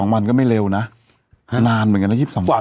วันก็ไม่เร็วนะนานเหมือนกันนะ๒๒วัน